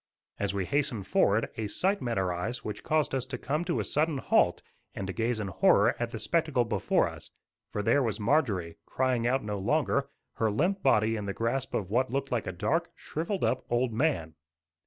As we hastened forward a sight met our eyes which caused us to come to a sudden halt and to gaze in horror at the spectacle before us; for there was Marjorie, crying out no longer, her limp body in the grasp of what looked like a dark, shrivelled up old man.